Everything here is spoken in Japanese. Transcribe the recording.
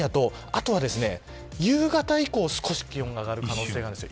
あとは夕方以降、少し気温が上がる可能性があります。